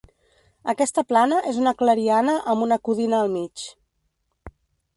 Aquesta plana és una clariana amb una codina al mig.